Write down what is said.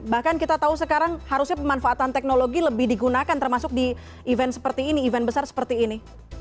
bahkan kita tahu sekarang harusnya pemanfaatan teknologi lebih digunakan termasuk di event seperti ini event besar seperti ini